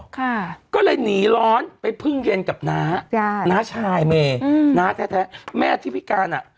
ค่ะก็เลยหนีร้อนไปพึ่งเย็นกับน้าจ้ะน้าชายเมย์อืมน้าแท้แท้แม่ที่พิการอ่ะ